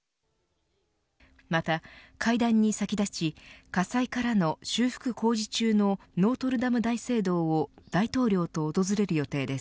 また、会談に先立ち火災からの修復工事中のノートルダム大聖堂を大統領と訪れる予定です。